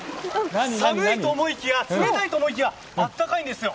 寒いと思いきや冷たいと思いきや温かいんですよ。